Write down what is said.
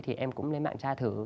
thì em cũng lên mạng tra thử